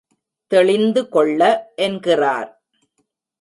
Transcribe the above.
தெளிந்து கொள்ள என்கிறார்.